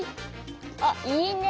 あっいいね。